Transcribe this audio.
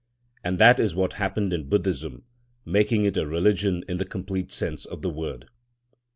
And that is what happened in Buddhism, making it a religion in the complete sense of the word.